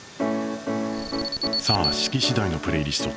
さあ式次第のプレイリスト。